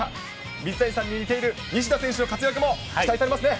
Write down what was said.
水谷さんに似ている西田選手の活躍も期待されますね。